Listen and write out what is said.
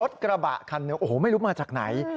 กระบะคันหนึ่งโอ้โหไม่รู้มาจากไหน